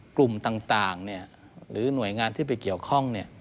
กลุ่มต่างเนี่ยหรือหน่วยงานที่ไปเกี่ยวข้องเนี่ย